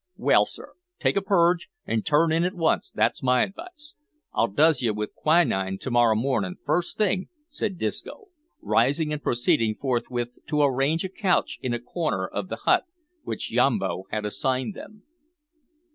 "Well, sir, take a purge, and turn in at once, that's my advice. I'll dose you with quinine to morrow mornin', first thing," said Disco, rising and proceeding forthwith to arrange a couch in a corner of the hut, which Yambo had assigned them.